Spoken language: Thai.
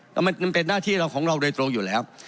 แล้วมันเป็นหน้าที่เราของเราโดยตรงอยู่แล้ว